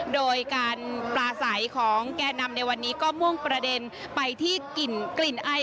โดยการปลาใสของแก่นำในวันนี้ก็มุ่งประเด็นไปที่กลิ่นไอ